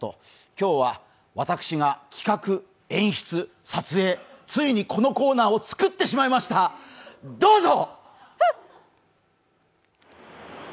今日は私が企画・演出・撮影、ついにこのコーナーを作ってしまいました、どうぞ！